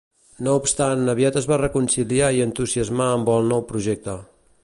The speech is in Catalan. No obstant aviat es va reconciliar i entusiasmar amb el nou projecte.